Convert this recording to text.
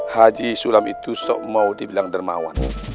haji sulam itu mau dibilang dermawan